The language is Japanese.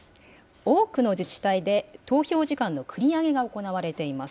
多くの自治体で、投票時間の繰り上げが行われています。